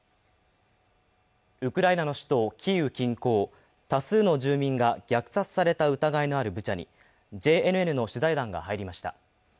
ウクライナの首都キーウ近郊、多数の住民が虐殺された疑いのあるブチャに、ＪＮＮの取材団が入りました。